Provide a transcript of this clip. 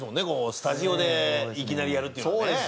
スタジオでいきなりやるっていうのはね。